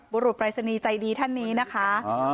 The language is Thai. บุรุษปรายศนีย์ใจดีท่านนี้นะคะ